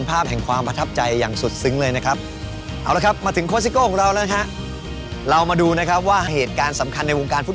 ภาพสงฆ์ใดจงเสร็จนั้นหวังว่าเรือหาเรือไทยหลุดจะเท่าไหร่ใครใครล่วง